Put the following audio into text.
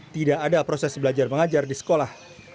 tidak ada proses belajar mengajar di sekolah